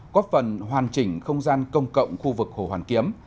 có phần hoàn chỉnh không gian công cộng khu vực hồ hoàn kiếm